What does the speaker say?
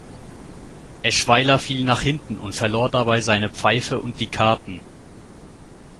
Eschweiler fiel nach hinten und verlor dabei seine Pfeife und die Karten.